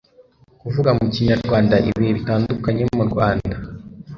kuvuga mu kinyarwanda ibihe bitandukanye mu rwanda